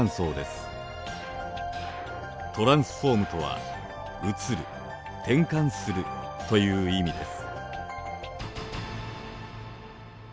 「トランスフォーム」とは「移る」「転換する」という意味です。